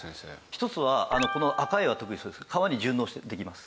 １つはこのアカエイは特にそうですけど川に順応できます。